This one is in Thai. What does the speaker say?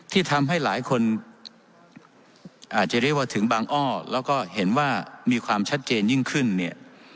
ที่ทำให้หลายคนอาจจะเรียกว่าถึงบางอ้อแล้วก็เห็นว่ามีความชัดเจนยิ่งขึ้นเนี่ย